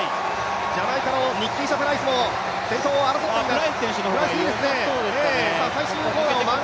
ジャマイカのニッキーシャ・プライスも先頭争いを繰り広げ艇枡。